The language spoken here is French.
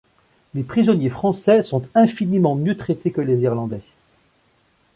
Les prisonniers français sont infiniment mieux traités que les Irlandais.